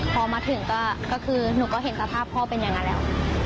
พอมาถึงก็คือหนูก็เห็นสภาพพ่อเป็นอย่างนั้นแล้ว